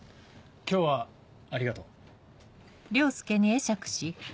今日はありがとう。